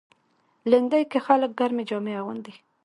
لېندۍ کې خلک ګرمې جامې اغوندي.